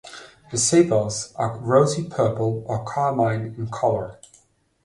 The sepals are rosy purple or carmine in color.